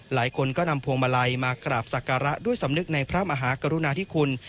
หลายคนก็นำพวงมาลัยมากราบศักระด้วยสำนึกในพระมหากรุณาธิคุณ